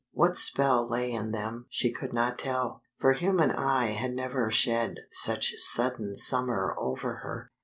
What spell lay in them she could not tell, for human eye had never shed such sudden summer over her.